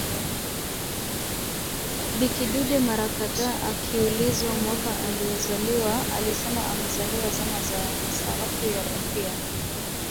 Bi kidude mara kadhaa akiulizwa mwaka aliozaliwa alisema amezaliwa zama za Sarafu ya Rupia